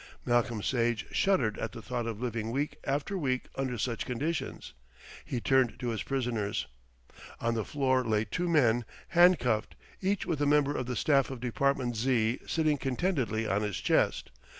Malcolm Sage shuddered at the thought of living week after week under such conditions. He turned to his prisoners. On the floor lay two men, handcuffed, each with a member of the staff of Department Z. sitting contentedly on his chest.